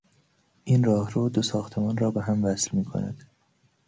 این راهرو دو ساختمان را بهم وصل میکند.